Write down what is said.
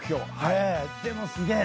でもすげえ。